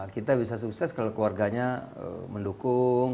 kita bisa sukses kalau keluarganya mendukung